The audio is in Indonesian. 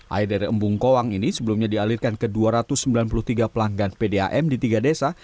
air dari embung kowang ini sebelumnya dialirkan ke dua ratus sembilan puluh tiga pelanggan pdam di tiga desa